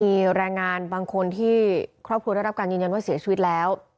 มีแรงงานบางคนที่ครอบครัวได้รับการยืนยันว่าเสียชีวิตแล้ว